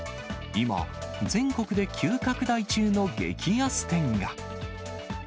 今、全国で急拡大中の激安店が。